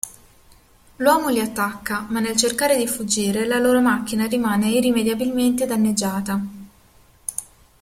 L'uomo li attacca, ma nel cercare di fuggire la loro macchina rimane irrimediabilmente danneggiata.